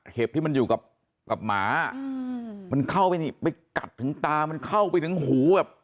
ที่มันอยู่กับหมามันเข้าไปนี่ไปกัดถึงตามันเข้าไปถึงหูแบบ